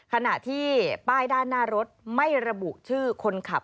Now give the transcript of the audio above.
ขณะที่ป้ายด้านหน้ารถไม่ระบุชื่อคนขับ